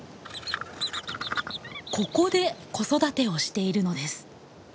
ここで子育てをしているのです。